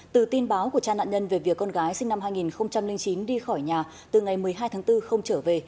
từ tin báo của cha nạn nhân về việc con gái sinh năm hai nghìn chín đi khỏi nhà từ ngày một mươi hai tháng bốn không trở về